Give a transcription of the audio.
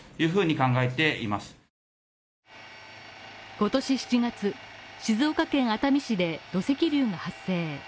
今年７月、静岡県熱海市で土石流が発生。